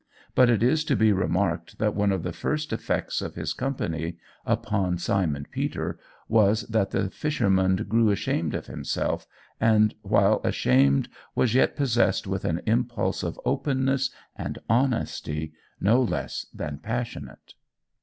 But it is to be remarked that one of the first effects of his company upon Simon Peter was, that the fisherman grew ashamed of himself, and while ashamed was yet possessed with an impulse of openness and honesty no less than passionate.